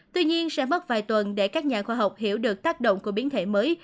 tuy nhiên sẽ mất vài tuần để các nhà khoa học hiểu được tác động của biến thể mới